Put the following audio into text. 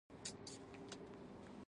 طوفان د قدرت قهر ښيي.